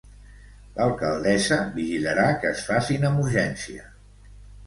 L'alcaldessa vigilarà que es facin amb urgència.